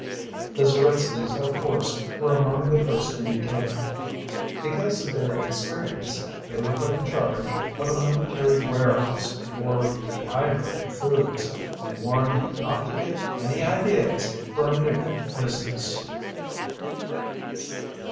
The Zeritskys, of course, were among the first to be taken. Because of their experience, they were put in charge of a military warehouse for dehydrated foods, and warned not to get any ideas for a new business.